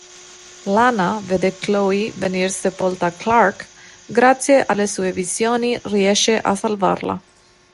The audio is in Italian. Lana vede Chloe venir sepolta e Clark, grazie alle sue visioni, riesce a salvarla.